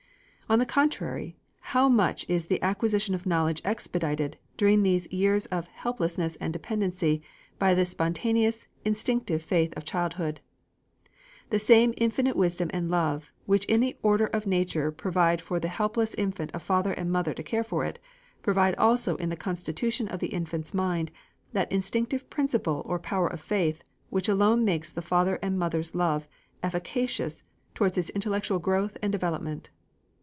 On the contrary, how much is the acquisition of knowledge expedited, during these years of helplessness and dependency, by this spontaneous, instinctive faith of childhood. The same infinite wisdom and love, which in the order of nature provide for the helpless infant a father and mother to care for it, provide also in the constitution of the infant's mind that instinctive principle or power of faith, which alone makes the father's and mother's love efficacious towards its intellectual growth and development.